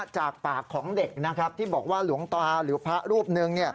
จากปากของเด็กนะครับที่บอกว่าหลวงตาหรือพระรูปหนึ่ง